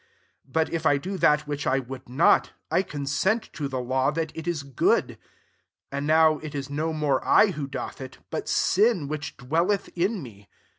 16 But if I do that which I would not, I consent to the law, that it is good. 17 And now it is no more 1 who doth it, but sin which dwelleth in me.